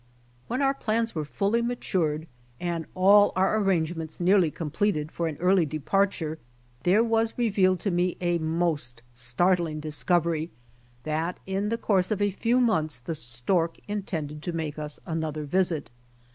When our plans were fully matured and all our arrangements nearly completed for an early depart ure there was revealed to me a most startling dis covery that in the course of a few months the stork BIDDING FARETVTELL intended to make us anotlier visit.